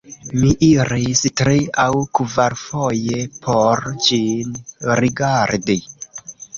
Mi iris tri-aŭ-kvarfoje por ĝin rigardi.